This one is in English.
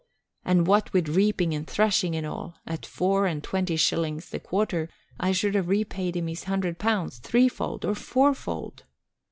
And what with reaping and threshing and all, at four and twenty shillings the quarter I should have repaid him his hundred pounds, threefold or fourfold.